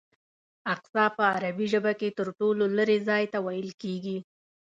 اقصی په عربي ژبه کې تر ټولو لرې ځای ته ویل کېږي.